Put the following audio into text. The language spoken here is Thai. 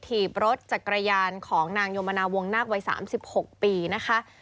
ถีบรถจักรยานของนางโยมนาวงนาควัย๓๖ปีนะคะ